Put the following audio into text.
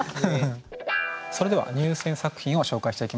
それでは入選作品を紹介していきましょう。